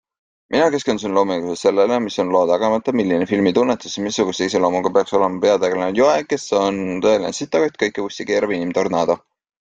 Mina keskendusin loominguliselt sellele, mis on loo tagamõte, milline filmi tunnetus ja missuguse iseloomuga peaks olema peategelane Joe, kes on tõeline sitakott, kõike vussi keerav inim-tornaado.